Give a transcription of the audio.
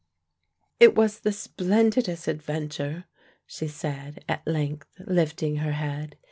"It was the splendidest adventure," she said at length, lifting her head.